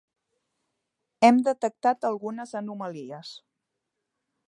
Hem detectat algunes anomalies.